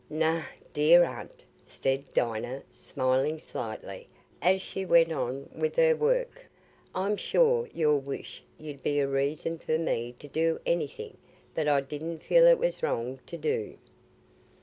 "Nay, dear Aunt," said Dinah, smiling slightly as she went on with her work, "I'm sure your wish 'ud be a reason for me to do anything that I didn't feel it was wrong to do."